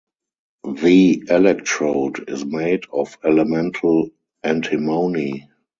The electrode is made of elemental antimony.